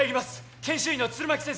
研修医の弦巻先生